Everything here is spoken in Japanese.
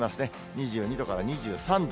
２２度から２３度。